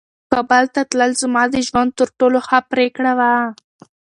کابل ته تلل زما د ژوند تر ټولو ښه پرېکړه وه.